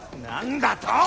何だと！？